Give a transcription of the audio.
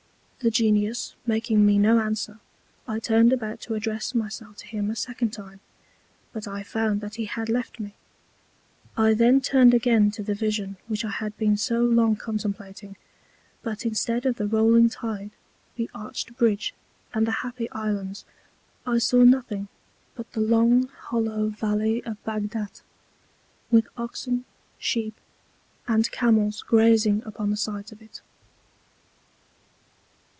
The Genius making me no Answer, I turned about to address myself to him a second time, but I found that he had left me; I then turned again to the Vision which I had been so long contemplating; but Instead of the rolling Tide, the arched Bridge, and the happy Islands, I saw nothing but the long hollow Valley of Bagdat, with Oxen, Sheep, and Camels grazing upon the Sides of it.